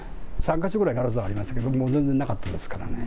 ３か所ぐらいガラス戸ありましたけれども、もう全然なかったですからね。